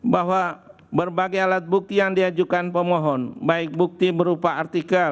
bahwa berbagai alat bukti yang diajukan pemohon baik bukti berupa artikel